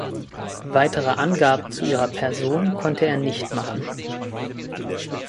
Weitere Angaben zu ihrer Person konnte er nicht machen.